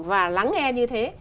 và lắng nghe như thế